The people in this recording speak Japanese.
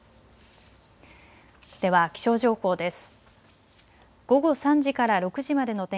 では気象情報です。